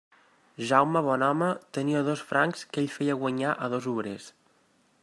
Jaume Bonhome tenia dos francs que ell feia guanyar a dos obrers.